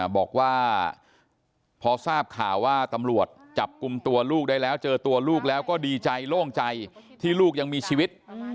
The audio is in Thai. บอกว่าพอทราบข่าวว่าตำรวจจับกลุ่มตัวลูกได้แล้วเจอตัวลูกแล้วก็ดีใจโล่งใจที่ลูกยังมีชีวิต